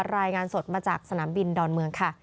รายงานสดมาจากสนามบินดอนเมืองค่ะ